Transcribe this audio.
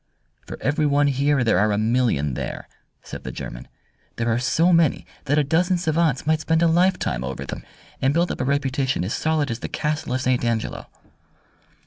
"For every one here there are a million there!" said the German. "There are so many that a dozen savants might spend a lifetime over them, and build up a reputation as solid as the Castle of St. Angelo."